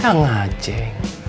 eh kang ajeng